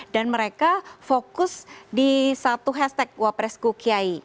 dan mereka fokus di satu hashtag wapresku kiai